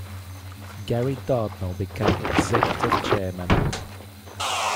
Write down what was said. Gary Dartnall became executive chairman.